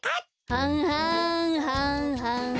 はんはんはんはんはん。